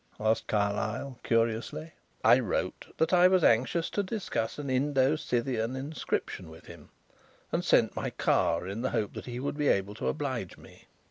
asked Carlyle curiously. "I wrote that I was anxious to discuss an Indo Scythian inscription with him, and sent my car in the hope that he would be able to oblige me."